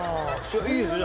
いいですよ